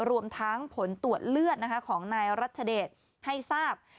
รวมทั้งผลตรวจเลือดของนายรัชเดชให้ทราบ